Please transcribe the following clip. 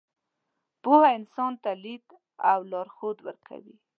پوهه انسان ته لید او لارښود ورکوي.